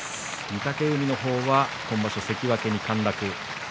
御嶽海の方は今場所、関脇に陥落。